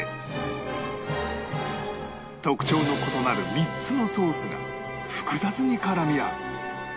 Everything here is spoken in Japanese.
特徴の異なる３つのソースが複雑に絡み合う